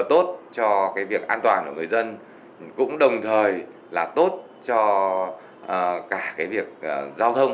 tốt cho việc an toàn của người dân cũng đồng thời là tốt cho cả việc giao thông giao thông giao thông